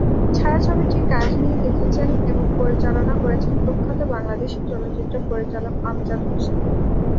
ছায়াছবিটির কাহিনী লিখেছেন এবং পরিচালনা করেছেন প্রখ্যাত বাংলাদেশী চলচ্চিত্র পরিচালক আমজাদ হোসেন।